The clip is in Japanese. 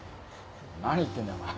何言ってんだよお前。